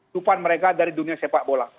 dupan mereka dari dunia sepak bola